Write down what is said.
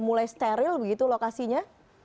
mulai steril begitu lokasinya